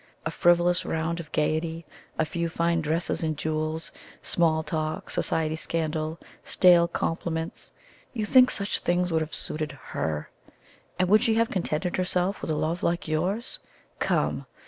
A frivolous round of gaiety, a few fine dresses and jewels, small talk, society scandal, stale compliments you think such things would have suited HER? And would she have contented herself with a love like yours? Come!